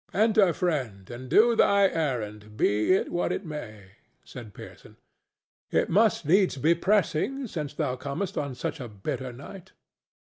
"Enter, friend, and do thy errand, be it what it may," said Pearson. "It must needs be pressing, since thou comest on such a bitter night."